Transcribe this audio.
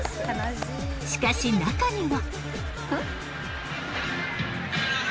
しかしなかには。